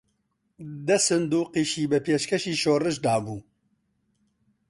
دە سندووقیشی بە پێشکەشی شۆڕش دابوو